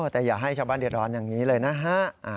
แต่อย่าให้ชาวบ้านเดือดร้อนอย่างนี้เลยนะฮะ